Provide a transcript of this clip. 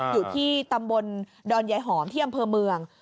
อยู่ที่ตำบลดอนยายหอมที่อำเภอเมือง